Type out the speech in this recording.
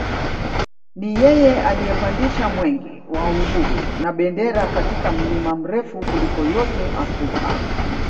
Ni yeye aliyepandisha mwenge wa uhuru na bendera katika mlima mrefu kuliko yote Afrika